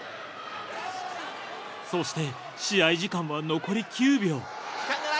そして試合時間は残り９秒。